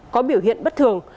có biểu hiện bất thường